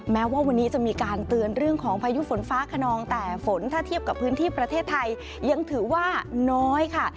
แม้ว่าวันนี้จะมีการเตือนเรื่องของพายุฝนฟ้าขนองแต่ฝนถ้าเทียบกับพื้นที่ประเทศไทยยังถือว่าน้อยค่ะ